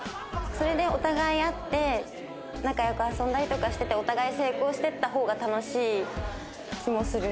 それでお互い会って仲良く遊んだりとかしててお互い成功していった方が楽しい気もする。